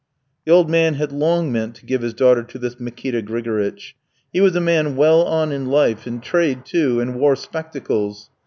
"The old man had long meant to give his daughter to this Mikita Grigoritch. He was a man well on in life, in trade too, and wore spectacles.